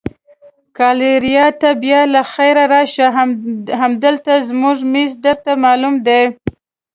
ګالیریا ته بیا له خیره راشه، همالته زموږ مېز درته معلوم دی.